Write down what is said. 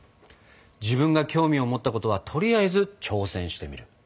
自分が興味を持ったことはとりあえず挑戦してみる。